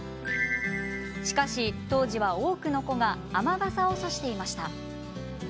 しかし当時は多くの子が雨傘をさしていました。